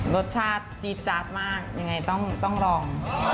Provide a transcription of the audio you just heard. รสชาติจี๊ดจัดมากยังไงต้องลอง